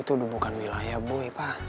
itu udah bukan wilayah boy pak